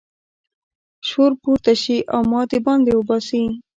شور پورته شي او ما د باندې وباسي.